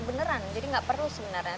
beneran jadi nggak perlu sebenarnya